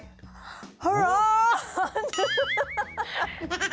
อร้อย